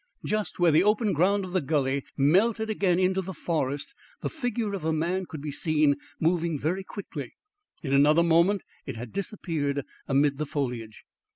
Just where the open ground of the gully melted again into the forest, the figure of a man could be seen moving very quickly. In another moment it had disappeared amid the foliage.